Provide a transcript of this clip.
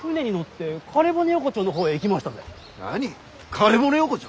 枯骨横丁？